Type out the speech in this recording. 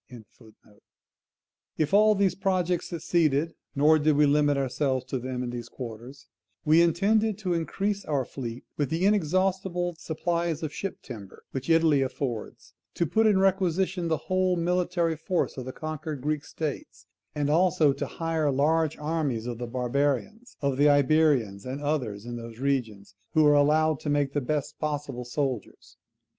] If all these projects succeeded (nor did we limit ourselves to them in these quarters), we intended to increase our fleet with the inexhaustible supplies of ship timber which Italy affords, to put in requisition the whole military force of the conquered Greek states, and also to hire large armies of the barbarians; of the Iberians, and others in those regions, who are allowed to make the best possible soldiers.